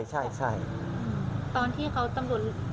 โยนเต็มโยนเต็มโยนเต็ม